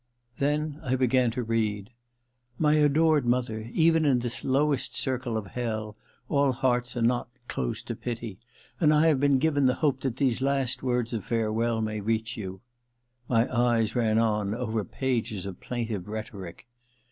Then I began to read. * My adored mother, even in this lowest circle of hell all hearts are not closed to pity, and I have been given the hope that these last words of farewell may reach you. ...' My eyes ran on over pages of plaintive rhetoric.